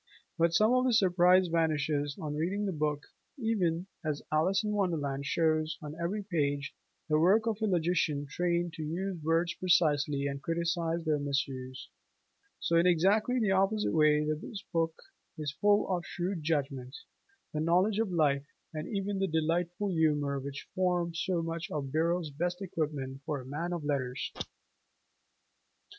But some of the surprise vanishes on reading the book: even as 'Alice in Wonderland' shows on every page the work of a logician trained to use words precisely and criticize their misuse, so in exactly the opposite way this book is full of the shrewd judgment, the knowledge of life, and even the delightful humor which form so much of Birrell's best equipment for a man of letters.